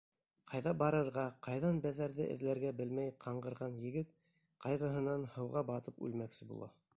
Ҡайҙа барырға, ҡайҙан Бәҙәрҙе эҙләргә белмәй ҡаңғырған егет ҡайғыһынан һыуға батып үлмәксе була.